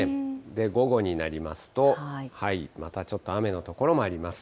午後になりますと、またちょっと雨の所もあります。